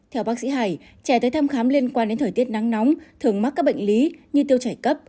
theo bác sĩ hải trẻ tới thăm khám liên quan đến thời tiết nắng nóng thường mắc các bệnh lý như tiêu chảy cấp